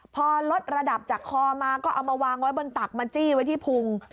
พอลดระดับจากคอมาก็เอามาวางไว้บนตักมาจี้ไว้ที่พุง